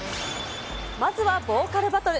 まずはボーカルバトル。